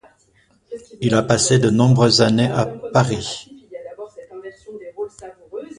Il a passé de nombreuses années à Paris.